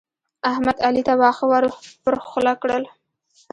احمد؛ علي ته واښه ور پر خوله کړل.